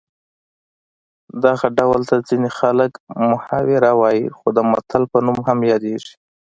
دغه ډول ته ځینې خلک محاوره وايي خو د متل په نوم هم یادیږي